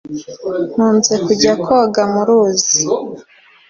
Nkunze kujya koga mu ruzi.